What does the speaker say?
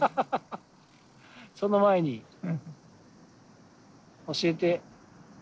その前に教えて。